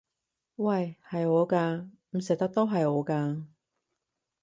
喂！係我㗎！唔食得都係我㗎！